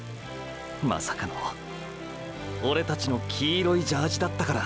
まさかのオレたちの黄色いジャージだったから。